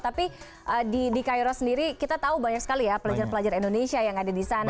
tapi di cairo sendiri kita tahu banyak sekali ya pelajar pelajar indonesia yang ada di sana